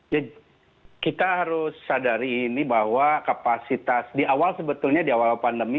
ya kita harus sadari ini bahwa kapasitas di awal sebetulnya di awal pandemi